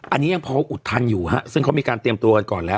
อันนี้ยังพออุดทันอยู่ฮะซึ่งเขามีการเตรียมตัวกันก่อนแล้ว